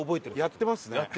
やってますね。